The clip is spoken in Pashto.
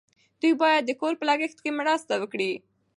دوی باید د کور په لګښت کې مرسته وکړي.